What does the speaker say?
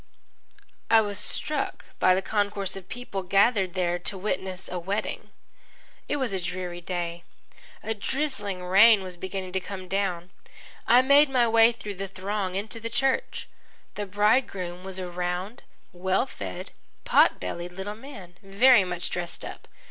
I was struck by the concourse of people gathered there to witness a wedding. It was a dreary day. A drizzling rain was beginning to come down. I made my way through the throng into the church. The bridegroom was a round, well fed, pot bellied little man, very much dressed up.